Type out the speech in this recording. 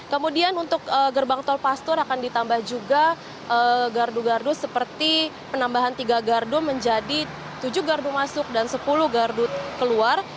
kemudian untuk gerbang tol pastor akan ditambah juga gardu gardu seperti penambahan tiga gardu menjadi tujuh gardu masuk dan sepuluh gardu keluar